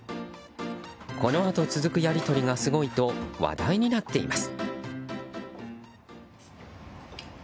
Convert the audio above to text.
このあと続くやり取りがすごいと話題になっています。